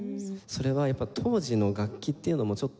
それはやっぱ当時の楽器っていうのもちょっと。